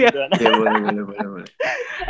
ya boleh boleh boleh